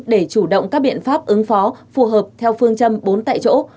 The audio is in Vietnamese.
để chủ động các biện pháp ứng phó phù hợp theo phương châm bốn tại chỗ